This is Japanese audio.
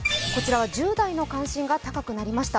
１０代の関心が高くなりました。